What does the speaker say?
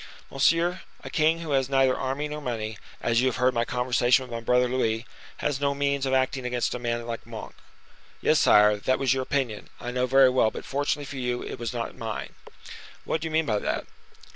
"Monsieur, a king who has neither army nor money, as you have heard my conversation with my brother Louis, has no means of acting against a man like Monk." "Yes, sire, that was your opinion, I know very well: but, fortunately for you, it was not mine." "What do you mean by that?"